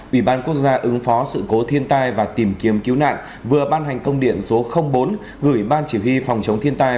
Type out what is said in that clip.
ủy ban quốc gia ứng phó sự cố thiên tai và tìm kiếm cứu nạn vừa ban hành công điện số bốn gửi ban chỉ huy phòng chống thiên tai